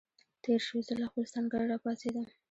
تېر شو، زه له خپل سنګره را پاڅېدم.